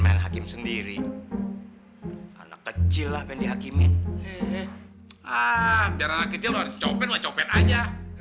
dihakim sendiri anak kecil lah yang dihakimin ah biar anak kecil luar copet luar copet aja